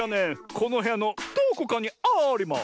このへやのどこかにあります。